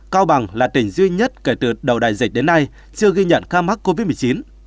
cao bằng là tỉnh duy nhất kể từ đầu đại dịch đến nay chưa ghi nhận ca mắc covid một mươi chín